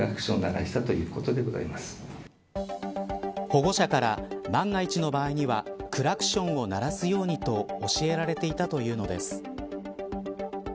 保護者から、万が一の場合にはクラクションを鳴らすようにと教えられていたというのです。